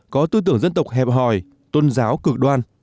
có tư tưởng dân tộc hẹp hòi tôn giáo cực đoan